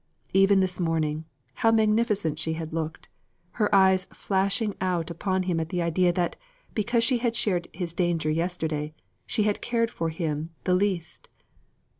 Even this morning how magnificent she had looked her eyes flashing out upon him at the idea that, because she had shared his danger yesterday, she had cared for him the least!